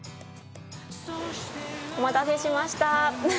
お待たせしました。